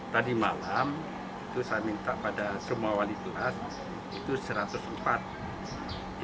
tadi malam itu saya minta pada semua wali tuas itu satu ratus empat yang siap untuk divaksin